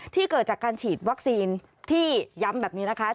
เกิดจากการฉีดวัคซีนที่ย้ำแบบนี้นะคะ